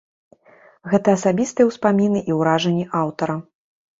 Гэта асабістыя ўспаміны і ўражанні аўтара.